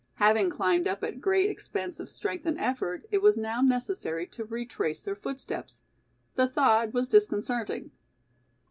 Having climbed up at great expense of strength and effort, it was now necessary to retrace their footsteps. The thought was disconcerting.